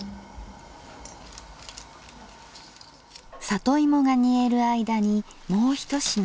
里芋が煮える間にもう一品。